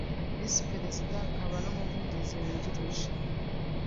visi perezida akaba n umuvugizi wungirije